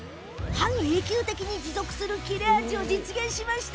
半永久的に持続する切れ味を実現しました。